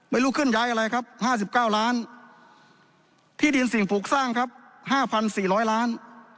เคลื่อยอะไรครับ๕๙ล้านที่ดินสิ่งปลูกสร้างครับ๕๔๐๐ล้าน